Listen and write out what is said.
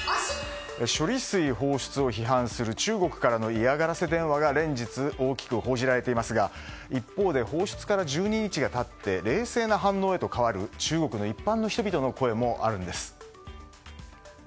処理水放出を批判する中国からの嫌がらせ電話が連日大きく報じられていますが一方で放出から１２日が経って冷静な反応へと変わる中国の一般の人々の声もあるんです。